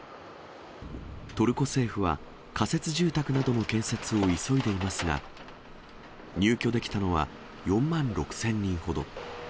トルコ政府は、仮設住宅などの建設を急いでいますが、入居できたのは４万６０００人ほど。